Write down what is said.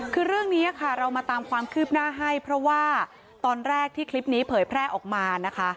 คือเรื่องนี้ค่ะเรามาตามความคืบหน้าให้เพราะว่าตอนแรกที่คลิปนี้เผยแพร่ออกมานะคะ